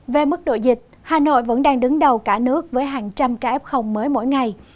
về mức độ dịch hà nội vẫn đang đứng đầu cả nước với hàng trăm ca f mới mỗi ngày